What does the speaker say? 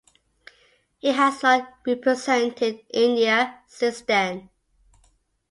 He has not represented India since then.